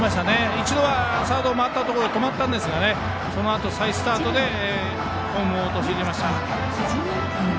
一度はサードを回ったところで止まったんですがそのあと再スタートでホームを陥れました。